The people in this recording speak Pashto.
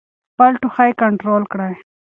خپل ټوخی کنټرول کړئ.